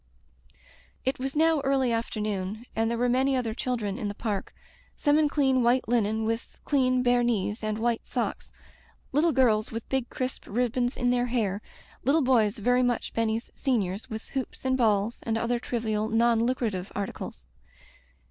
It was now early afternoon, and there were many other children in the park — some in clean white linen, with clean bare knees and white socks; little girls with big crisp ribbons in their hair; little boys — ^very much Benny's seniors — ^with hoops and balls and other trivial non lucrative articles.